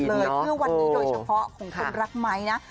คือวันนี้โดยเฉพาะของคนรักไม้นะ